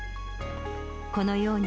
このように、